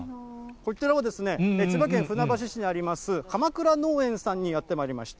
こちらは千葉県船橋市にあります、かまくら農園さんにやってまいりました。